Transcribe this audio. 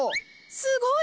すごい！